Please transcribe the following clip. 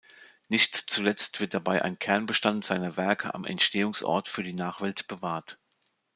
Nicht zuletzt wird dabei ein Kernbestand seiner Werke am Entstehungsort für die Nachwelt bewahrt.